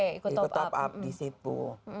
ikut top up di situ